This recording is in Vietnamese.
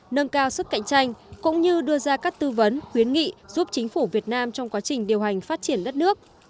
nâng cao sức cạnh tranh cũng như đưa ra các tư vấn khuyến nghị giúp chính phủ việt nam trong quá trình điều hành phát triển đất nước